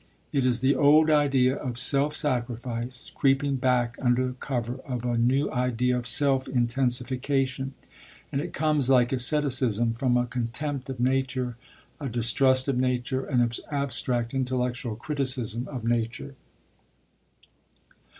It is the old idea of self sacrifice creeping back under cover of a new idea of self intensification; and it comes, like asceticism, from a contempt of nature, a distrust of nature, an abstract intellectual criticism of nature.